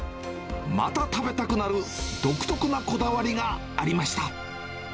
また食べたくなる独特なこだわりがありました。